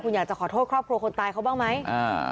คุณอยากจะขอโทษครอบครัวคนตายเขาบ้างไหมอ่า